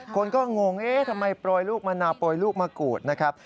คนก็งงเอ๊ะทำไมโปรยลูกมะนาวโปรยลูกมะกรูดนะครับ